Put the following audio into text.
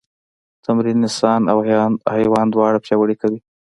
تمرین انسان او حیوان دواړه پیاوړي کوي.